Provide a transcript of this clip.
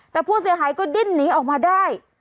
แต่ผู้เสียหายก็ดิ้นหนีออกมาได้